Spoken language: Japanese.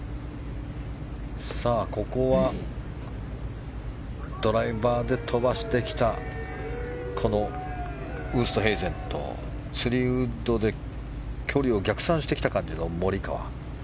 ここはドライバーで飛ばしてきたウーストヘイゼンと３ウッドで距離を逆算してきた感じのモリカワ。